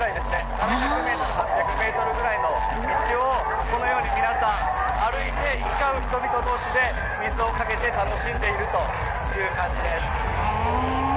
７００８００ｍぐらいの道を歩いて、行き交う人々同士で水をかけて楽しんでいるという感じです。